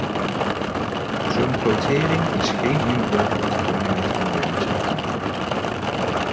Zo'n quotering is geen inbreuk op de vrijheid van meningsuiting.